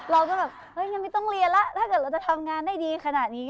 เราก็แบบเฮ้ยฉันไม่ต้องเรียนแล้วถ้าเกิดเราจะทำงานได้ดีขนาดนี้